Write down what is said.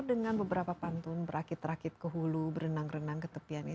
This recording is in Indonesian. dengan beberapa pantun berakit rakit ke hulu berenang renang ke tepian ini